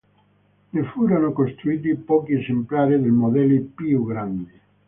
Ne furono costruiti pochi esemplari dei modelli più grandi.